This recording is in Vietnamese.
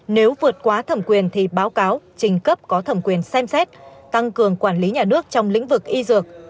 nếu vượt quá thẩm quyền thì báo cáo trình cấp có thẩm quyền xem xét tăng cường quản lý nhà nước trong lĩnh vực y dược